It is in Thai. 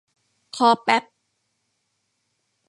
คอแป๊บ